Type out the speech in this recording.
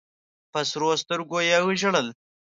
په سرو سترګو یې ژړل.